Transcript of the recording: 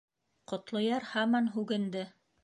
— Ҡотлояр һаман һүгенде.